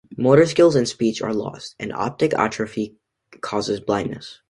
Motor skills and speech are lost, and optic atrophy causes blindness.